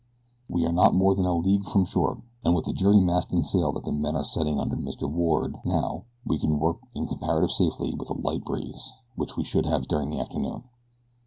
We are not more than a league from shore, and with the jury mast and sail that the men are setting under Mr. Ward now we can work in comparative safety with a light breeze, which we should have during the afternoon.